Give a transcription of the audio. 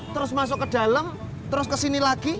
terus masuk ke dalam terus kesini lagi